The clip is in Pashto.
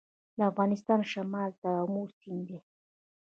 د افغانستان شمال ته امو سیند دی